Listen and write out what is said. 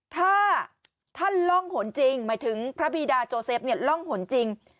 ถ้าท่านล่องหนจริงหมายถึงพระบีดาโจเซฟล่องหนจริง